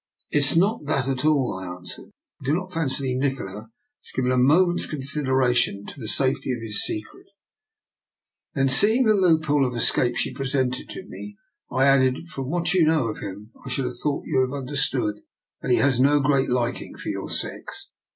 " It is not that at all," I answered. " I do not fancy Nikola has given a moment's consideration to the safety of his SjCcret." Then, seeing the loophole of escape she pre / DR. NIKOLA'S EXPERIMENT. igl sented to me, I added: " From what you know of him, I should have thought you would have understood that he has no great liking for your sex.